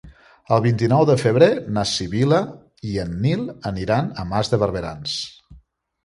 El vint-i-nou de febrer na Sibil·la i en Nil aniran a Mas de Barberans.